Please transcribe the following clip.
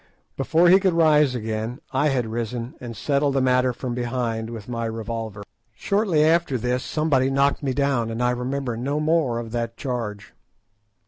Before he could rise again, I had risen and settled the matter from behind with my revolver. Shortly after this somebody knocked me down, and I remember no more of that charge.